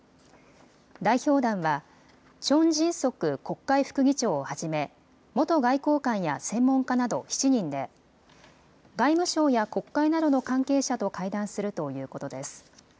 代表団はチョン・ジンソク国会副議長をはじめ元外交官や専門家など７人で外務省や国会などの関係者と会談するということです。